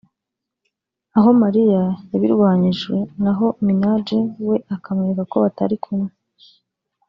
aho Maria yabirwanyijwe naho Minaj we akamwereka ko batari kumwe